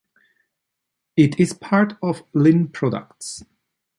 It is part of Linn Products.